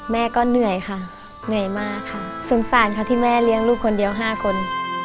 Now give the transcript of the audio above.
แม่ก็เหนื่อยค่ะเหนื่อยมากค่ะสงสารค่ะที่แม่เลี้ยงลูกคนเดียว๕คน